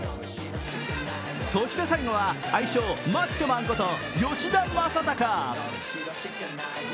そして最後は愛称・マッチョマンこと吉田正尚。